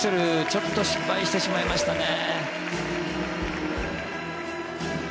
ちょっと失敗してしまいましたね。